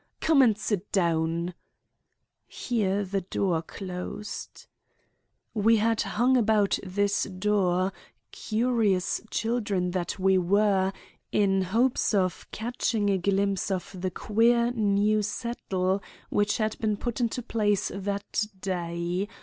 'Come and sit down—' "'Here the door closed. "'We had hung about this door, curious children that we were, in hopes of catching a glimpse of the queer new settle which had been put into place that day.